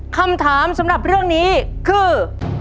คำถามสำหรับเรื่องนี้คือ